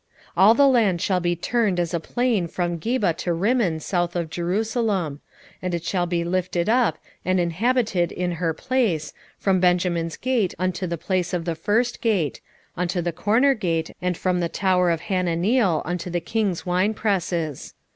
14:10 All the land shall be turned as a plain from Geba to Rimmon south of Jerusalem: and it shall be lifted up, and inhabited in her place, from Benjamin's gate unto the place of the first gate, unto the corner gate, and from the tower of Hananeel unto the king's winepresses.